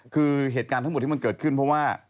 คือเหตุการณ์ทั้งหมดที่มันเกิดขึ้นเพราะว่า